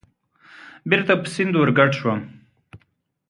بېرته په سیند ورګډ شوم.